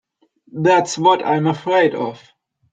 That's what I'm afraid of.